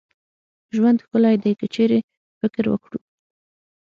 ژوند ښکلې دي که چيري فکر وکړو